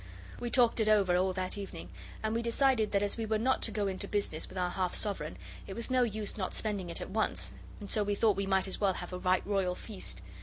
We talked it over all that evening, and we decided that as we were not to go into business with our half sovereign it was no use not spending it at once, and so we might as well have a right royal feast.